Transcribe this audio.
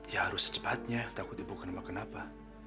ya harus secepatnya takut ibu kenapa